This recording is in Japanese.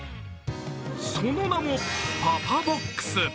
その名も、パパボックス。